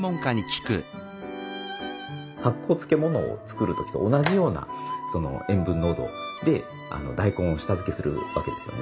発酵漬物を造る時と同じような塩分濃度で大根を下漬けするわけですよね。